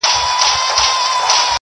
یوهډوکی یې د پښې وو که د ملا وو-